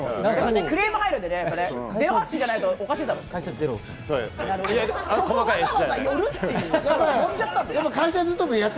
クレーム入るんでね、ゼロ発信じゃないとおかしいだろって。